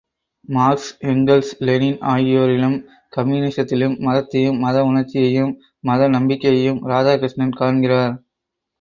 Marks, Engels, Lenin ஆகியோரிலும் கம்யூனிஸத்திலும் மதத்தையும், மத உணர்ச்சியையும், மத நம்பிக்கையையும் ராதாகிருஷ்ணன் காண்கிறார்.